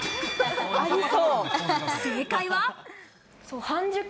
正解は。